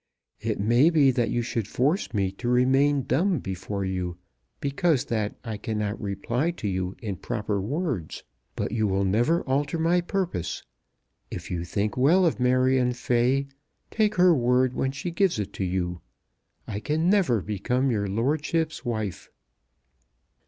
It may be that you should force me to remain dumb before you, because that I cannot reply to you in proper words. But you will never alter my purpose. If you think well of Marion Fay, take her word when she gives it you. I can never become your lordship's wife."